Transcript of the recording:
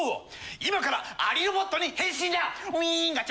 今からアリロボットに変身だ！